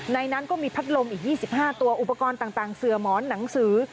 นั้นก็มีพัดลมอีก๒๕ตัวอุปกรณ์ต่างเสือหมอนหนังสือ